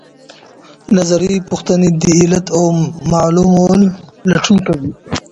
نظري پوښتنې د علت او معلول لټون کوي.